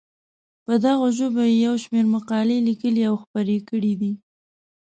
په دغو ژبو یې یو شمېر مقالې لیکلي او خپرې کړې دي.